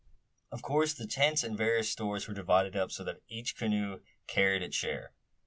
Of course the tents and various stores were divided up so that each canoe carried its share.